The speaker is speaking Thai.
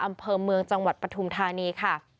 อำเภอเมืองจังหวัดประทุมธานี